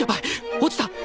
落ちた！